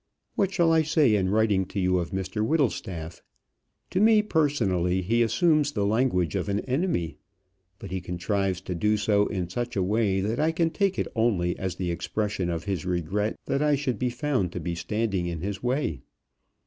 What shall I say in writing to you of Mr Whittlestaff? To me personally he assumes the language of an enemy. But he contrives to do so in such a way that I can take it only as the expression of his regret that I should be found to be standing in his way.